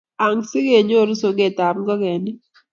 ang'er asikenyoru soketab ngokenik